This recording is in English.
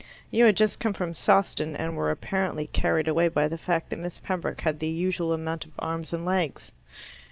You had just come from Sawston, and were apparently carried away by the fact that Miss Pembroke had the usual amount of arms and legs."